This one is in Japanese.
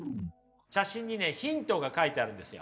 写真にねヒントが書いてあるんですよ。